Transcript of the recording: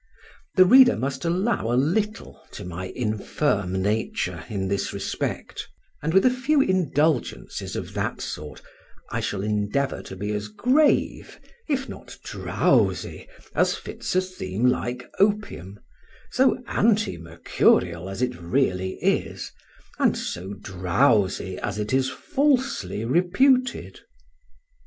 The reader must allow a little to my infirm nature in this respect; and with a few indulgences of that sort I shall endeavour to be as grave, if not drowsy, as fits a theme like opium, so anti mercurial as it really is, and so drowsy as it is falsely reputed.